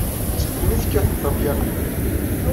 Seg melmi ay tekkatemt apyanu?